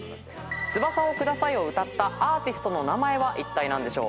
『翼をください』を歌ったアーティストの名前はいったい何でしょう？